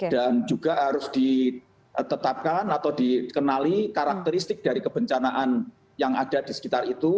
juga harus ditetapkan atau dikenali karakteristik dari kebencanaan yang ada di sekitar itu